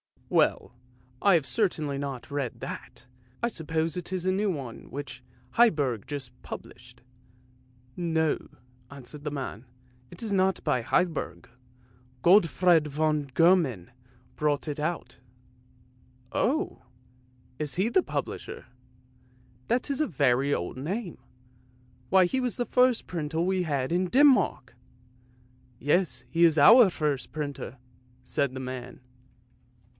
" Well, I have certainly not read that; I suppose it is a new one which Heiberg has just published." " No," answered the man; " It is not by Heiberg. Gottfred von Gehman brought it out." " Oh, is he the publisher ? That is a very old name ! Why, he was the first printer we had in Denmark! "" Yes; he is our first printer," said the man.